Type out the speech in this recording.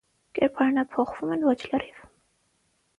Կերպարանափոխվում են ոչ լրիվ։